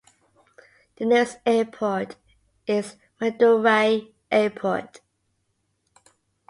The nearest airport is Madurai airport.